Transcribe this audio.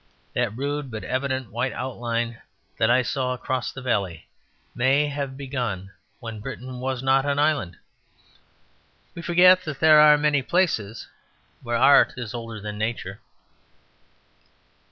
That rude but evident white outline that I saw across the valley may have been begun when Britain was not an island. We forget that there are many places where art is older than nature.